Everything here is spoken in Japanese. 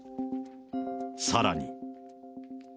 さらに。